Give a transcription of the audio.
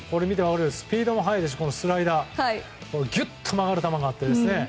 スピードも速いですしスライダーぎゅっと曲がる球があって。